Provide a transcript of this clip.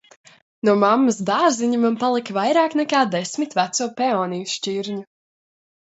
No mammas dārziņa man palika vairāk nekā desmit veco peoniju šķirņu.